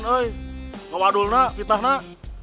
nggak wadul nak fitnah nak